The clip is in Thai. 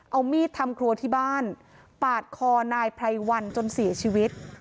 เอามีดทำครัวที่บ้านปาดคอนายไพรวันจนเสียชีวิต